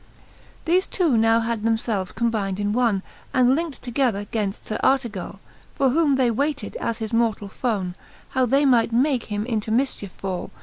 XXXVII. Thefe two now had themfelves combynd in one^ And linckt together gainft Sir Artegally For whom they wayted as his mortall fone, How they might make him into mifchiefe fall.